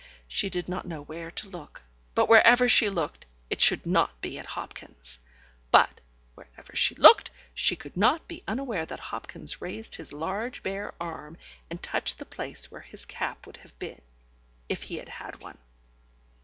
She did not know where to look, but wherever she looked, it should not be at Hopkins. But (wherever she looked) she could not be unaware that Hopkins raised his large bare arm and touched the place where his cap would have been, if he had had one.